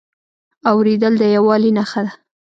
اورېدل د یووالي نښه ده.